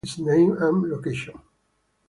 In the first paragraph, write its name and location.